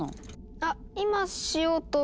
あっ今しようと。